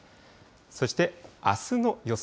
そして、あすの予想